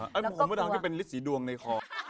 ผมก็ทำให้เป็นฤทธิ์สีดวงในคอ